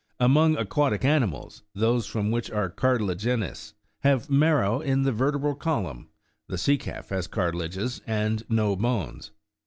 Among aquatic animals, those which are cartilaginous have marrow in the vertebral column ; the sea calf has cartilages, and no bones.